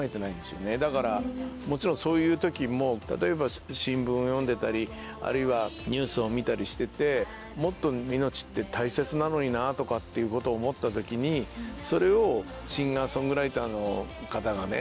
だからもちろんそういう時も例えば新聞を読んでたりあるいはニュースを見たりしててもっと。とかっていうことを思った時にそれをシンガー・ソングライターの方がね